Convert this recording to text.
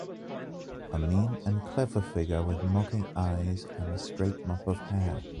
A mean and clever figure with mocking eyes and straight mop of hair.